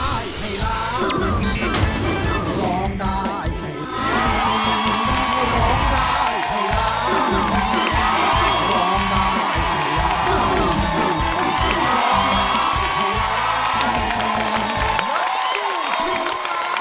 นักสู้ชิงร้าน